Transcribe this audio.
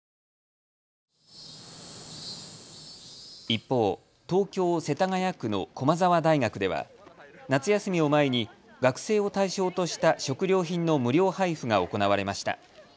一方、東京世田谷区の駒沢大学では夏休みを前に学生を対象とした食料品の無料配布が行われました。